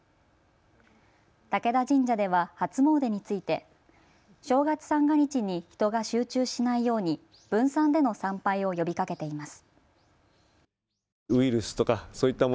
武田神社では初詣について正月三が日に人が集中しないように分散での参拝を呼びかけています。